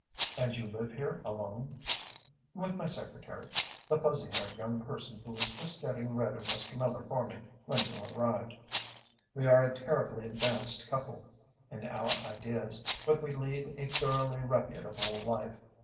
"And you live here alone?" "With my secretary the fuzzyhaired young person who was just getting rid of Mr. Miller for me when you arrived. We are a terribly advanced couple, in our ideas, but we lead a thoroughly reputable life.